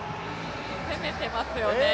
攻めてますよね。